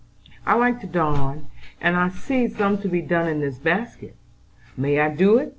"I like to darn, and I see some to be done in this basket. May I do it?"